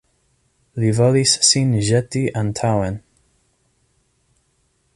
Li volis sin ĵeti antaŭen.